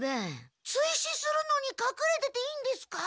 追試するのにかくれてていいんですか？